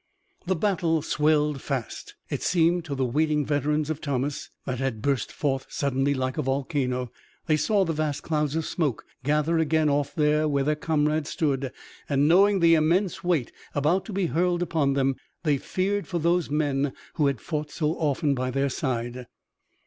The battle swelled fast. It seemed to the waiting veterans of Thomas that it had burst forth suddenly like a volcano. They saw the vast clouds of smoke gather again off there where their comrades stood, and, knowing the immense weight about to be hurled upon them, they feared for those men who had fought so often by their side.